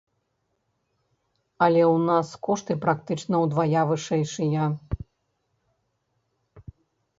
Але ў нас кошты практычна ўдвая вышэйшыя.